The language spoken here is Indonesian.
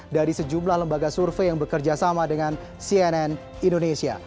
dari sejumlah lembaga survei yang bekerja sama dengan cnn indonesia